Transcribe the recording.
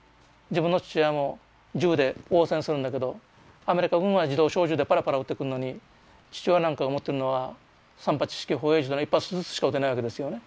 自分の父親も銃で応戦するんだけどアメリカ軍は自動小銃でパラパラ撃ってくるのに父親なんかが持ってるのは三八式歩兵銃だから一発ずつしか撃てないわけですよね。